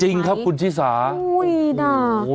จริงครับคุณชิสาโอ้โฮว